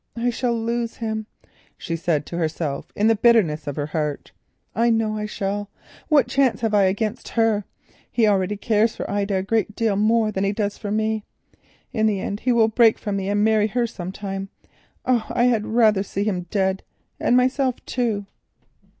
"I shall lose him," she said to herself in the bitterness of her heart. "I know I shall. What chance have I against her? He already cares for Ida a great deal more than he does for me, in the end he will break from me and marry her. Oh, I had rather see him dead—and myself too."